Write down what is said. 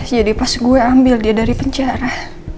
jadi pas gue ambil dia dari penjara